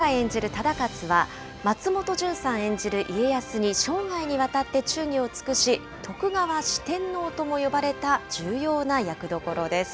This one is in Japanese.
今回、演じる忠勝は、松本潤さん演じる家康に生涯にわたって忠義を尽くし、徳川四天王とも呼ばれた重要な役どころです。